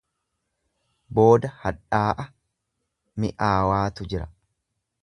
Booda hadhaa'a mi'aawaatu jira.